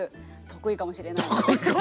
得意かもしれない。